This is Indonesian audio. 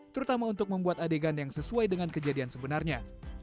terutama untuk membuat adegan yang sesuai dengan kejadian sebenarnya